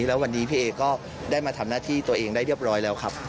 แล้ววันนี้พี่เอก็ได้มาทำหน้าที่ตัวเองได้เรียบร้อยแล้วครับ